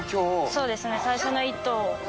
そうですね、最初の１頭を。